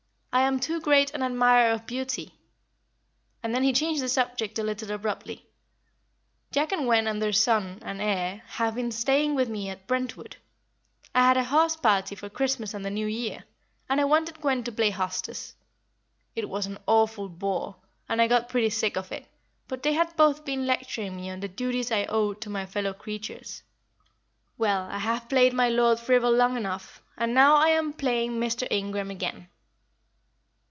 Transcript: "I am too great an admirer of beauty." And then he changed the subject a little abruptly. "Jack and Gwen and their son and heir have been staying with me at Brentwood. I had a house party for Christmas and the New Year, and I wanted Gwen to play hostess. It was an awful bore, and I got pretty sick of it, but they had both been lecturing me on the duties I owed to my fellow creatures. Well, I have played my Lord Frivol long enough, and now I am plain Mr. Ingram again."